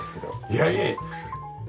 いやいや！